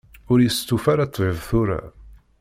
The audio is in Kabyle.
Ur yestufa ara ṭṭbib tura.